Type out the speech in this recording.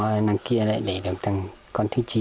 rồi nàng kia lại đẻ được thằng con thứ chín